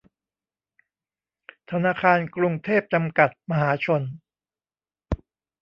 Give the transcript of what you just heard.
ธนาคารกรุงเทพ จำกัด มหาชน